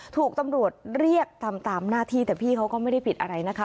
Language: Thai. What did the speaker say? ถูกตำรวจเรียกทำตามหน้าที่แต่พี่เขาก็ไม่ได้ผิดอะไรนะคะ